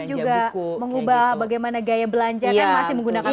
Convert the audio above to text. juga mengubah bagaimana gaya belanja kan masih menggunakan